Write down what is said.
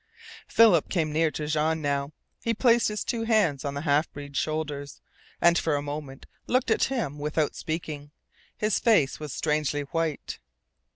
Philip came near to Jean now. He placed his two hands on the half breed's shoulders, and for a moment looked at him without speaking. His face was strangely white.